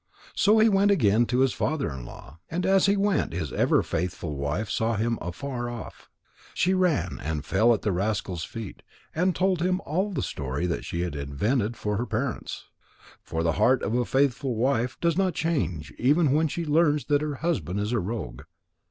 So he went again to his father in law. And as he went, his ever faithful wife saw him afar off. She ran and fell at the rascal's feet and told him all the story that she had invented for her parents. For the heart of a faithful wife does not change even when she learns that her husband is a rogue.